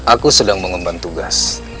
aku sedang mengembang tugas